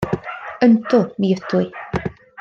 Yndw, mi ydw i.